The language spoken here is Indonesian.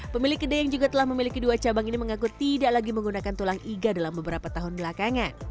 pemilik kedai yang juga telah memiliki dua cabang ini mengaku tidak lagi menggunakan tulang iga dalam beberapa tahun belakangan